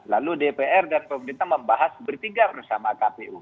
lalu dpr dan pemerintah membahas bertiga bersama kpu